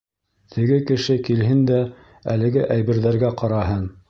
Теге кеше килһен дә әлеге әйберҙәргә ҡараһын.